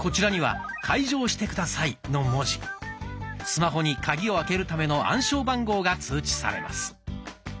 スマホにカギを開けるための暗証番号が通知されます。